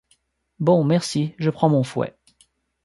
Bon ! merci ! je prends mon fouet !…